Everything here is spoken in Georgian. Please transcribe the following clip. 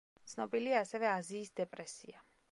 ცნობილია ასევე აზიის დეპრესია.